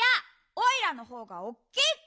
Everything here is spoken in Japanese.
オイラのほうがおっきいって！